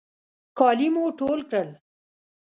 کالي مو ټول کړل.